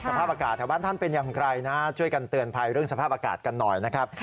สภาพอากาศแถวบ้านท่านเป็นอย่างไรนะช่วยกันเตือนภัยเรื่องสภาพอากาศกันหน่อยนะครับ